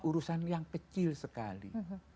urusan yang kecil sekali